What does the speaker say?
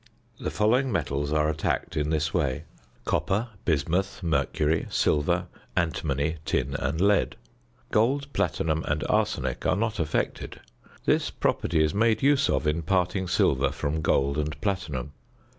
The following metals are attacked in this way: copper, bismuth, mercury, silver, antimony, tin, and lead. Gold, platinum, and arsenic are not affected. This property is made use of in parting silver from gold and platinum.